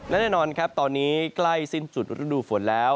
และแน่นอนครับตอนนี้ใกล้สิ้นจุดฤดูฝนแล้ว